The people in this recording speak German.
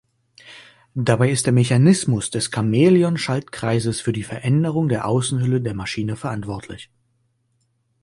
Dabei ist der Mechanismus des Chamäleon-Schaltkreises für die Veränderung der Außenhülle der Maschine verantwortlich.